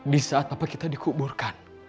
di saat apa kita dikuburkan